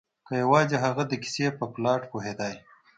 که یوازې هغه د کیسې په پلاټ پوهیدای